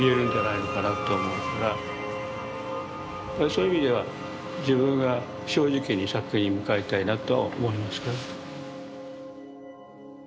そういう意味では自分が正直に作品に向かいたいなとは思いますけどね。